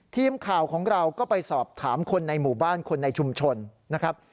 ทีมข่าวของเราก็ไปสอบถามคนในหมู่บ้านคนในชุมชนนะครับ